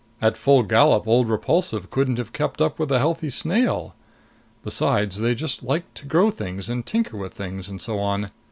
At full gallop, old Repulsive couldn't have kept up with a healthy snail. Besides, they just liked to grow things and tinker with things and so on.